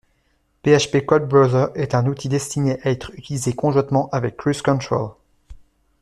PHP_CodeBrowser est un outil destiné, à être utilisé conjointement avec CruiseControl.